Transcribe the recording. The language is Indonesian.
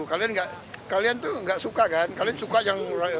kalian itu tidak suka kan kalian suka yang ramai